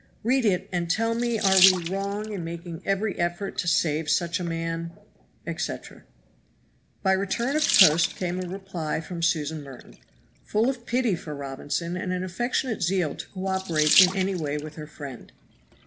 Read it and tell me are we wrong in making every effort to save such a man?" etc. By return of post came a reply from Susan Merton, full of pity for Robinson and affectionate zeal to co operate in any way with her friend.